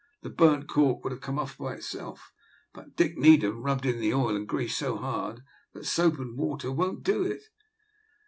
The burnt cork would have come off by itself, but Dick Needham rubbed in the oil and grease so hard that soap and water won't do it."